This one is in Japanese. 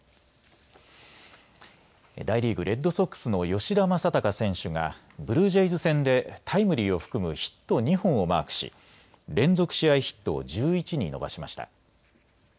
大リーグ、レッドソックスの吉田正尚選手がブルージェイズ戦でタイムリーを含むヒット２本をマークし連続試合ヒットを１１に伸ばしました。